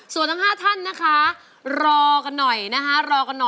ส่วนทั้ง๕ท่านนะคะรอกันหน่อยนะคะ